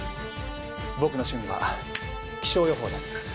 僕の趣味は気象予報です。